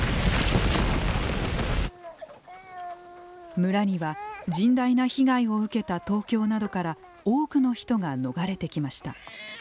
村には、甚大な被害を受けた東京などから多くの人が逃れてきました。